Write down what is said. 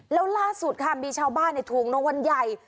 แล้วล่าสุดครับมีชาวบ้านทรวงลงวันใหญ่